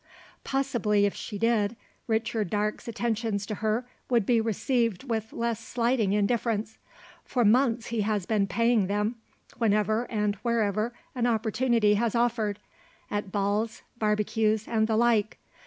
Possibly if she did, Richard Darke's attentions to her would be received with less slighting indifference. For months he has been paying them, whenever, and wherever, an opportunity has offered at balls, barbecues, and the like.